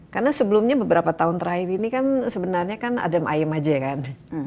karena sebelumnya beberapa tahun terakhir ini kan sebenarnya kan ada ayem saja kan